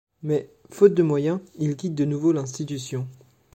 Mais, faute de moyens, il quitte de nouveau l'institution.